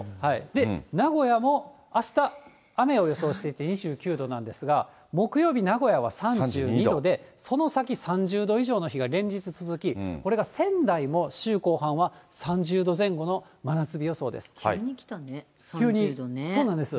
名古屋もあした雨を予想していて２９度なんですが、木曜日、名古屋は３２度で、その先３０度以上の日が連日続き、これが仙台も、週後半は３０度前後の真夏日予想です。